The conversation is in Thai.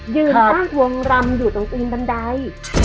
ยืนอ้ากวงรำอยู่ตรงตีนบันได